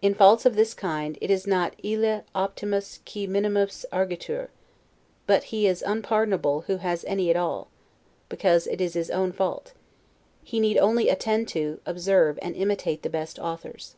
In faults of this kind, it is not 'ille optimus qui minimis arguetur'; but he is unpardonable who has any at all, because it is his own fault: he need only attend to, observe, and imitate the best authors.